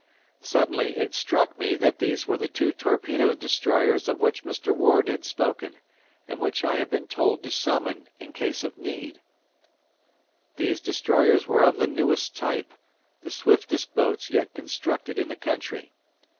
Suddenly it struck me that these were the two torpedo destroyers of which Mr. Ward had spoken, and which I had been told to summon in case of need. These destroyers were of the newest type, the swiftest boats yet constructed in the country.